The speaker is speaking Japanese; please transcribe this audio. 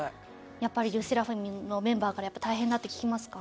やっぱりＬＥＳＳＥＲＡＦＩＭのメンバーから大変だって聞きますか？